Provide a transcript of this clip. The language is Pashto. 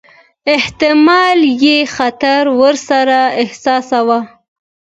احتمالي خطر ورڅخه احساساوه.